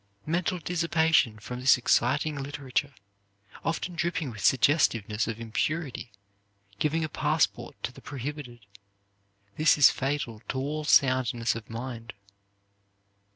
Mental dissipation from this exciting literature, often dripping with suggestiveness of impurity, giving a passport to the prohibited; this is fatal to all soundness of mind.